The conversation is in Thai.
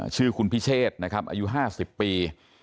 ชื่อคุณพิเชษนะครับอายุ๕๐ปี